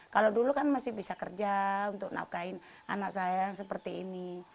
kalau dulu kan masih bisa kerja untuk nafkahin anak saya yang seperti ini